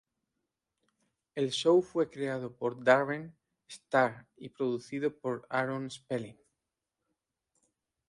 El show fue creado por Darren Star y producido por Aaron Spelling.